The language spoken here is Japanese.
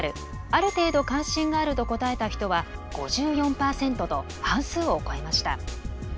「ある程度関心がある」と答えた人は５４％と半数を超えました。